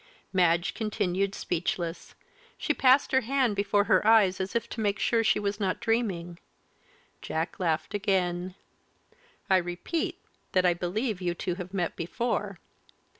Madge continued speechless. She passed her hand before her eyes, as if to make sure she was not dreaming. Jack laughed again. "I repeat that I believe you two have met before."